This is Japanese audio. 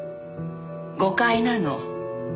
誤解なの。